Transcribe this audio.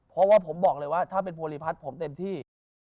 เพราะว่าผมบอกเลยว่าถ้าเป็นภูริพัฒน์ผมเต็มที่